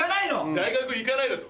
大学行かないだと？